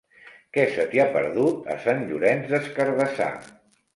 Què se t'hi ha perdut, a Sant Llorenç des Cardassar?